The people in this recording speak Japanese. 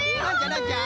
なんじゃ？